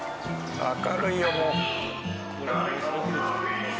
明るいよもう。